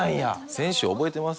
先週覚えてます？